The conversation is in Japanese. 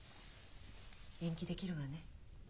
延期できるわね？